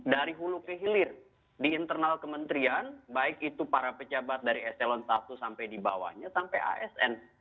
dari hulu ke hilir di internal kementerian baik itu para pejabat dari eselon i sampai di bawahnya sampai asn